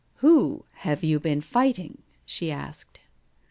"Who have you been fighting?" she asked.